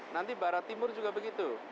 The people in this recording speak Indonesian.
nanti barat timur juga begitu